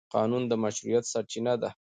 قانون د مشروعیت سرچینه ده.